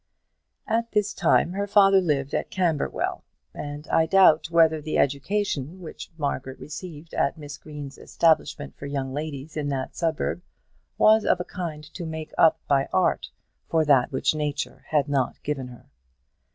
At this time her father lived at Camberwell, and I doubt whether the education which Margaret received at Miss Green's establishment for young ladies in that suburb was of a kind to make up by art for that which nature had not given her.